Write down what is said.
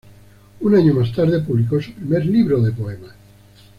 Un año más tarde publicó su primer libro de poemas.